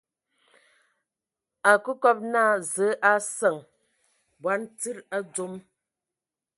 Akǝ kɔb naa Zǝǝ a seŋe bɔn tsíd a dzom.